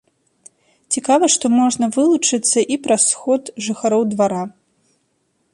Цікава, што можна вылучыцца і праз сход жыхароў двара.